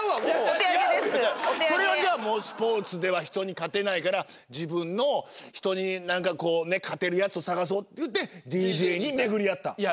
それはじゃあもうスポーツでは人に勝てないから自分の人に何かこう勝てるやつを探そうっていってＤＪに巡り合った？